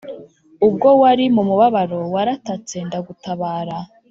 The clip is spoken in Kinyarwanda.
Ubwo wari mumubabaro waratatse ndagutabara